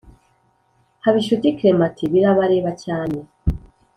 habinshuti clement ati “birabareba cyane.